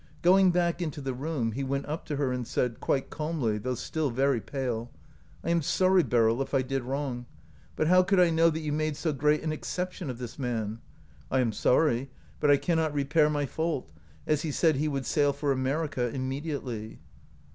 Going back into the room, he went up to her and said, quite calmly, though still very pale :" I am sorry, Beryl, if I did wrong, but how could I know that you made so great an exception of this man? I am sorry, but I cannot repair my fault, as he said he would sail for America immediately."